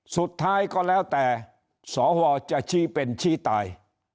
สุดท้ายก็แล้วแต่สวจะชี้เป็นชี้ตาย